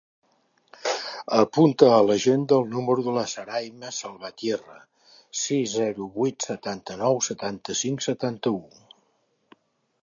Apunta a l'agenda el número de la Sarayma Salvatierra: sis, zero, vuit, setanta-nou, setanta-cinc, setanta-u.